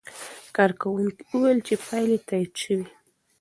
کارکوونکي وویل چې پایلې تایید شوې.